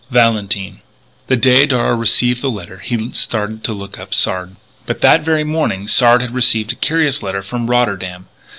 "VALENTINE." The day Darragh received the letter he started to look up Sard. But that very morning Sard had received a curious letter from Rotterdam.